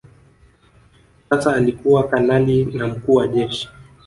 Sasa alikuwa kanali na mkuu wa Jeshi